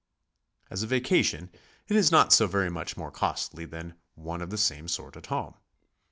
As a vacation, it is not so very much more costly than one of the same sort at home.